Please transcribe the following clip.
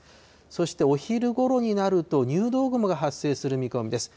そしてお昼ごろになると、入道雲が発生する見込みです。